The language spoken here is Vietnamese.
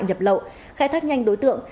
nhập lậu khai thác nhanh đối tượng